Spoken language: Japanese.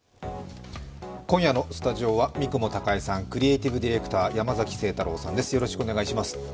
今夜のスタジオは三雲孝江さん、クリエイティブ・ディレクター、山崎晴太郎さんです。